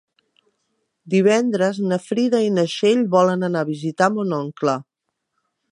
Divendres na Frida i na Txell volen anar a visitar mon oncle.